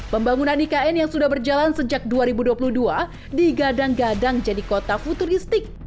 pembangunan ikn yang sudah berjalan sejak dua ribu dua puluh dua digadang gadang jadi kota futuristik